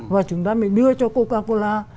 và chúng ta mới đưa cho coca cola